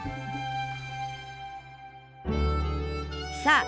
さあ